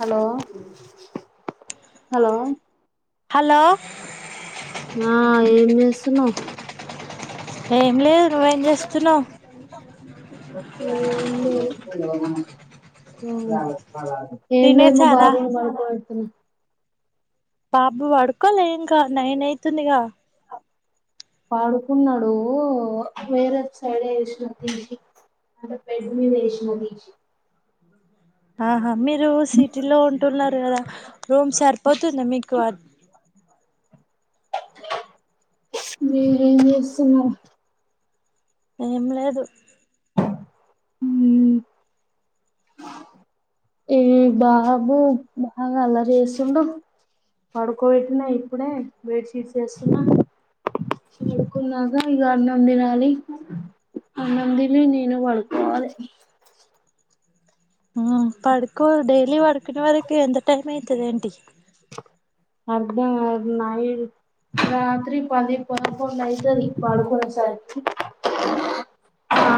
Hello hello hello నా ఏం చేస్తున్నావ్ ఏం లేదు నువ్వేం చేస్తున్నావు స ఏం లేదు మా తినేసారా బాబును పడుకోపెడుతున్నా బాబు పడుకోలే ఇంకా నైన్ ఐతుందిగా పడుకున్నడు వేరే సైడేసిన తీసి అంటే బెడ్ మీదేసినా తీసి ఆహా మీ రు సిటీలో ఉంటున్నారు కదా రూమ్ సరిపోతుందా మీకు [unintelligible] మీరేం చేస్తున్నా ఏం లేదు మ్మ్ ఏ బాబు బాగా అల్లరి చేస్తుండు పడుకోబెట్టిన ఇప్పుడే బేడ్ తీసేస్తున్నా పడుకున్నాక ఇగ అన్నం తినాలి అన్నం తిని నేను పడుకోవాలి ఆ పడుకో డైలీ పడుకునే వరకు ఎంత టైమ్ ఐతది ఏంటి అర్ధం కాదు నయిట్ రాత్రి పది పదకుండైతది పడుకునేసరికి ఆ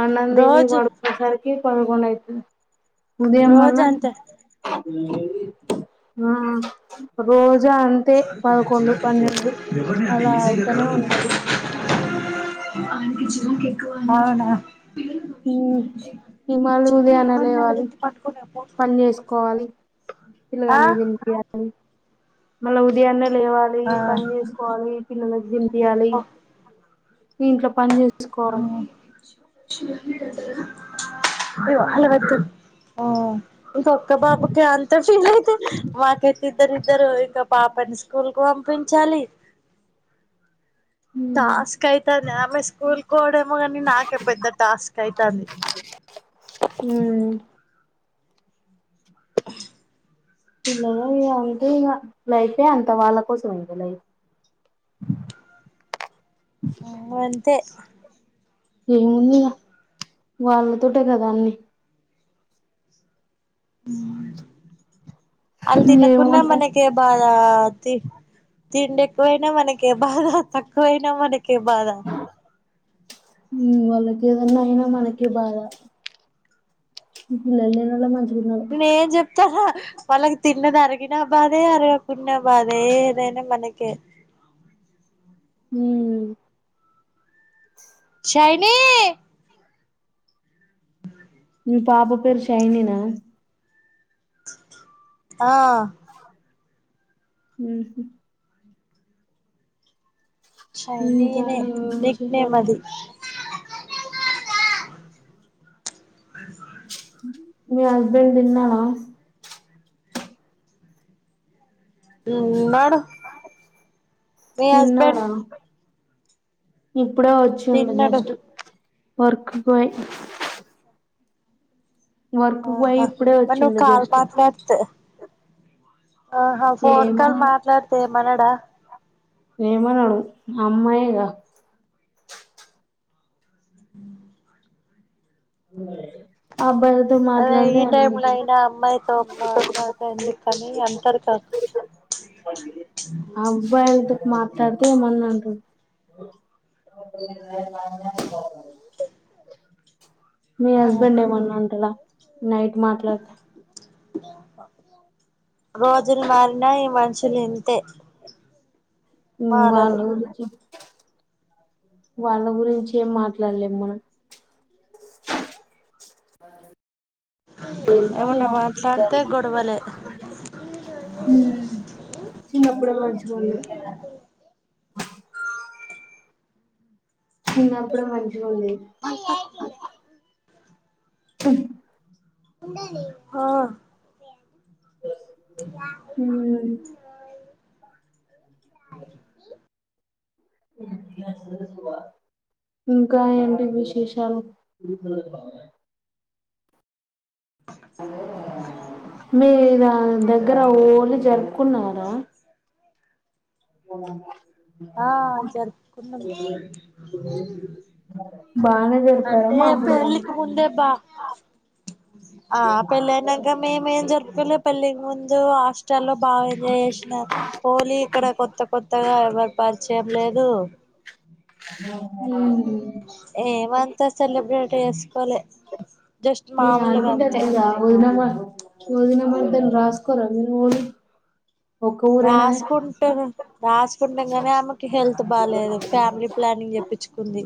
అన్నం తిని రోజు పడుకునేసరికి పదకుండైతుంది ఉదయం రోజు మళ్ళా అంతే ఆ రోజా అంతే సార్ కొెం పదకొండు చిరాకు ఎక్కువ పన్నెండు ఎవరిని అంటే అలా ఈజీగా అయితనే కలవంది ఉంటది అవు అవునా మ్ ఈ మళ్ళ ఉదయానే లేవాలి పని చేసుకోవాలి ఆ పిల్లగానికి తినిపియ్యాలి మళ్ళ ఉదయాన్నే లేవాలి పని చేసుకోవాలి పిల్లలకి దిన్ పియాలి మీ ఇంట్లో పని చేస్త సుకోవాలి [inaudible] ఇంకొక్క బాబుకి అంత ఫీల్ అయితే మాకైతే ఇద్దరి ఇద్దరు ఇంకా పాపని స్కూల్ కు పంపించాలి ఉమ్ టాస్క్ అయితాన్ దా ఆమె స్కూల్ కోవడమో కాని నాకే పెద్ద టాస్క్ అయితాంది ఉమ్ ఇలద [inaudible] అంతే ఇక లైఫే అంత వాళ్ళ కోసం అంత లైఫ్ [inaudible] అంతే ఏముంది వాళ్ళతోటే కదా అన్ని ఉమ్ అల్ తినకున్నా ఏముంటాయి మనకే బాధ తి తిండి ఎక్కువైనా మనకే బాద తక్కువైనా మనక్ కే బాద ఉ వాళ్ళకి ఏదన్నా అయినా మనకే బాద ఈ పిల్లలేనోళ్లే మంచి ప్లే జప్ హా హా వాళ్ళకి తిన్నది అరిగినా బాధే అరగకున్నా బాధే ఏదైనా మనకే ఉమ్ చైనీ ఇ పాప పేరు షైనీ నా ఆ ఉంహు షైనీ ఇంకా నే ఏం నిక్ నేమ్ విశేషాలు అది మీ హస్బెండ్ తిన్నాడా ఉండాడు తిన్నాడా హు ఇప్పుడే వచ్చిండు తిన్నడు జస్ట్ వర్క్ కు పోయి వర్క్ కు ఓ పోయి మా ఇప్పుడే మర్ నువ్ వచ్చిండు కాల్ జస్ట్ మాట్లాడ్ తే ఆహా ఫోన్ కాల్ ఏమనడు మాట్లాడ్ తే ఏమనడా ఏమనడు అమ్మాయిగా అబ్బాయిలు అదే ఈ టైమ్ లో అయినా అమ్మాయితో మాట్లాడుడు ఎందుకనీ అంటారు కదా. ఆ అబ్బాయిలతో మాట్లాడితే ఏమన్నా అంటు మీ ఆహా హస్బెండ్ ఏమన్నా అంటడా? నైట్ మాట్లాడితే [inaudible] రోజులు మారిన ఈ మనిషి ఇగా ఇంతే హు మారరు వాళ్ళు వాళ్ళ గురించి ఏం మాట్లాడలేము మనం. [inaudible] ఉ ఏమన్నా మాట్లాడితే గొడవలే చిన్నప్పుడే మంచిగా ఉండే. చిన్నప్పుడే మంచిగా ఉంది. చె హా ఉన్నది. ఇంకా ఏంటి విశేషాలు. మీ దాని దగ్గరా హాలీ జరుపుకున్నారా? అ ఆ జరుపుకున్నాం బానే జరిపారా అంటే పెళ్ళికి మామూలుగానా ముందే బా ఆ పెళ్ళి అయినంకా మేమేం జరుపుకోలే పెళ్ళికి ముందు హాస్టల్లో బాగా ఎంజాయ్ చేశిన, హోలీ ఇక్కడ కొత్త కొత్తగా ఎవరు పరిచయం లేదు. హ్ ఏమంత సెలబ్రేట్ చేసుకోలే జస్ట్ మీ మామూలుగా అంతే ఆడిబిడ్డలేదా ఒదిన మరద ఒదిన మరద రాస్కోరా మీ వోల్లు రాసుకుంటరు రాసుకుంటము కానీ ఆమెకి హెల్త్ బాలేదు. ఫ్యామిలీ ప్లానింగ్ చెప్పించుకుంది.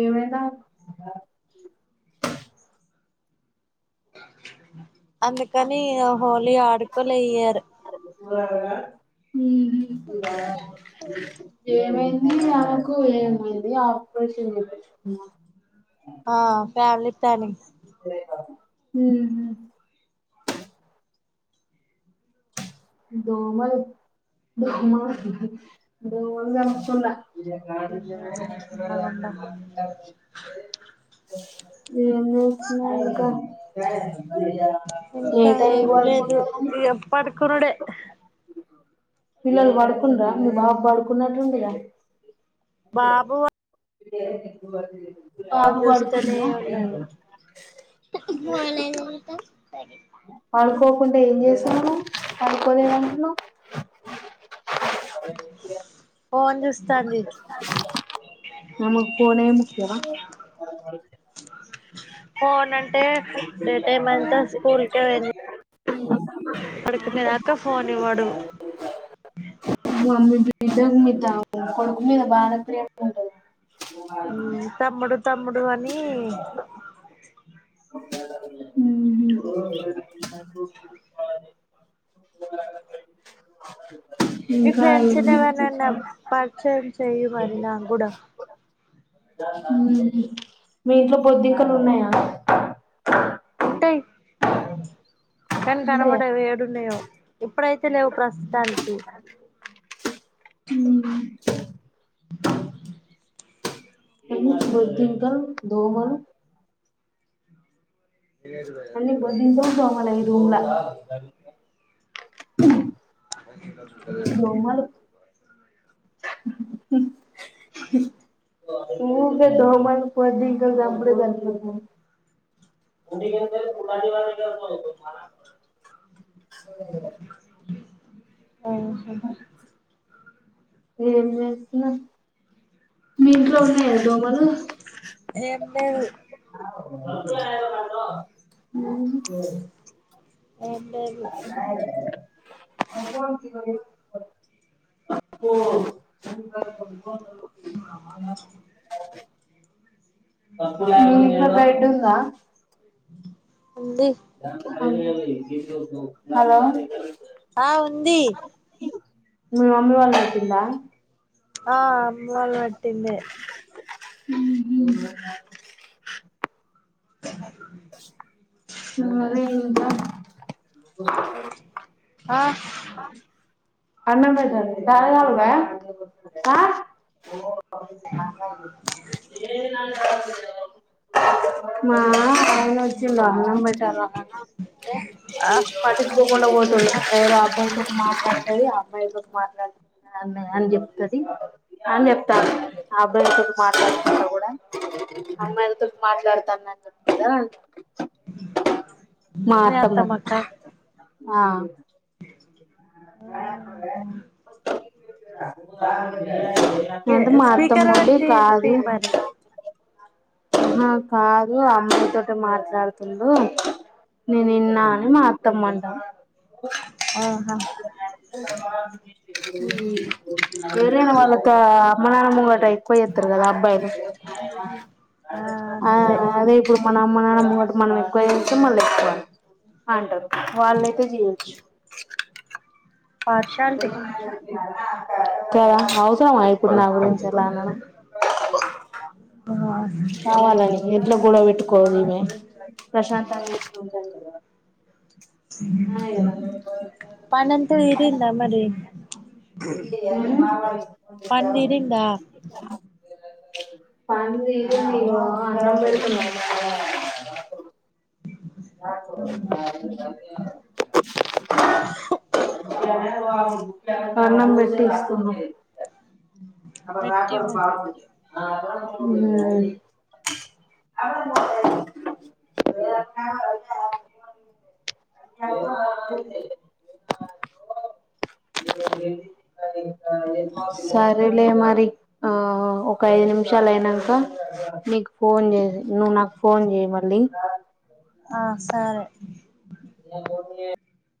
ఏమయింది ఆమెకు. అందుకని హోలీ ఆడుకోలే ఈ ఇయర్. ఉద ఏమైంది ఆమెకు ఏం ఆపరేషన్లు చేపిచుకున్నాం ఆ ఫ్యామిలీ ప్లానింగ్ [inaudible] దోమల్ దోమల్ దోమల్ క్కల ఇది కా రంగే ఇనబడతంల అ ఎం చేస్తున్నావు ఇంకా ఇంకా ఎటయి ఏం లేదు పడుకుంటది ఇగ పడుకునుడే పిల్లలు పడుకుండరా మీ బాబు పడుకున్నం టుంగ బాబు ఇ చూస్తూనే ఉన్నాది కుంటే ఏం చేశాను కయుకు పోయావు ఎండ్ లో [inaudible] ఫోన్ చూస్తాంది నమకు ఫోనే ముఖ్యమా ఫోన్ అంటే డేటై మంతా స్కూల్కే వె యింద అ పడుకునే దాంతో ఫోన్ ఇవడు నిజంగ పాప మీద బాగ ప్రేమ ఉంటుందా తమ్ముడు తమ్ముడు అని హ ఓ [inaudible] మీ ఫ్రెండ్స్ని ఏవన్నాన్నా పరిచయం చెయ్య మరి నా కూడా మీ ఇంట్లో బొద్దింకలు ఉన్నాయా ఉంటాయి కానీ ఉంటాయా కనమాడవి ఏడున్నాయో ఇప్పుడైతే తె లేవు ప్రస్తుతానికి హ బోధింక ధోమల్ అన్ని బోధింకలు ఉన రూమ్ ల [inaudible] అదే [unintelligible] [unintelligible] హా హా [unintelligible] ఊకే దోమల్ బోధింకలు చంపుడే సరిపోతుంది [unintelligible] ఆహా ఏం చేస్తున్నవ్ మీ ఇంట్లో ఉన్నాయా దోమలు లేదు [unintelligible] ఏం లేవు ఏవ్ [unintelligible] ఊ ఇగ బెడ్ ఉందా [inaudible] ఉంది హలో ఆ ఉందీ మీ మమ్మీ వాళ్ళు పెట్టిందా ఆ అమ్మోలు వెట్టిందే ఉహు [unintelligible] [unintelligible] ఆ అన్నం బెడతరు చాయ్ దాగుడా ఆ [unintelligible] మా అన్న వచ్చిండ అన్నం పెట్టాలా అంటే ఆ పట్టించుకోకుండా ఒతుండు ఏరాడు [unintelligible] మీ అత్తమ్మ కా ఆ [inaudible] [unintelligible] అంటే మా అత్తమ్మ స్పీకర్ ఉండి పెట్టి వినిపి కాదు మరి ఆహా కాద్ అమ్మాయితోోటి మాట్లాడుతుడు నేనిన్నా అని మా అత్తమ్మంటా. ఆహా అ [unintelligible] వేరేనా వాళ్ళత. [unintelligible] ఎక్కువ చేస్తారు కదా అబ్బాయిలు ఆ అంతే అదే ఇప్పుడు మన అమ్మ నాన్న ముటి మనం ఎక్కువ [unintelligible] వాళ్లయితే జేయొచ్చు పార్షాలిటీ [unintelligible] క [unintelligible] కావాలని ఎట్లో గొడవ పెట్టుకోివ ఈమె ప్రశాంత అనే కదా పనంత ఇరింద మరి డి పని తీరిందా [unintelligible] పంది అ [unintelligible] అన్నం పెట్టి ఇస్తున్నాం అ వ్యాక పెట్టి పర [unintelligible] ఆ అవు [unintelligible] అడ పో [unintelligible] సరేలే మరి ఆ ఒక ఐదు నిమిషాలు అయినాక మీకు ఫోన్ చేసి నువ్వు నాకు ఫోన్ చేయ మళ్ళీ ఆ సరే ఇ